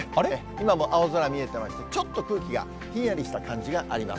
今も青空、見えてまして、ちょっと空気がひんやりした感じがあります。